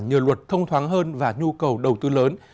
nhờ luật thông thoáng hơn và nhu cầu đầu tư lớn